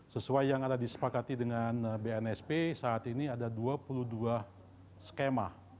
sesuai yang ada disepakati dengan bnsp saat ini ada dua puluh dua skema